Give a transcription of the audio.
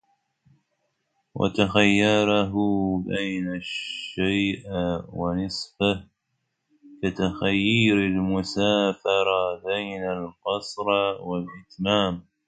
وَتَخَيُّرُهُ بَيْنَ الشَّيْءِ وَنِصْفِهِ كَتَخْيِيرِ الْمُسَافِرِ بَيْنَ الْقَصْرِ وَالْإِتْمَامِ